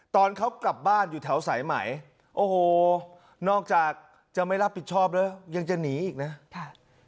ตอนเขากลับบ้านอยู่แถวสายไหมโอ้โหนอกจากจะไม่รับผิดชอบแล้วยังจะหนีอีกนะ